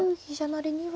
成には。